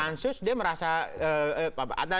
pansus dia merasa